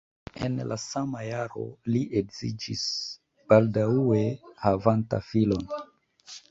En la sama jaro li edziĝis, baldaŭe havanta filon.